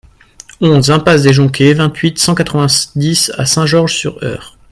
onze impasse des Joncquets, vingt-huit, cent quatre-vingt-dix à Saint-Georges-sur-Eure